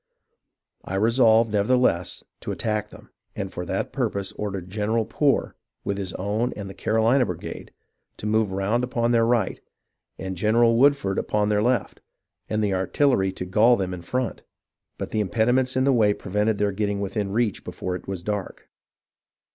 I resolved, nevertheless, to attack them, — and for that purpose ordered General Poor, with his own and the Carohna brigade, to move round upon their right, and General Woodford upon their left, and the artillery to gall them in front ; but the impediments in the way prevented their getting within reach before it was dark.